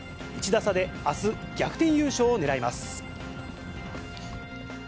１打差であす、逆転優勝をねらいます。